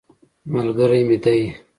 ملګری مې دی.